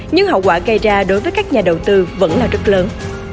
nhưng hậu quả gây ra đối với các nhà đầu tư vẫn là rất lớn